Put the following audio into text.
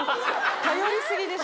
頼り過ぎでしょ。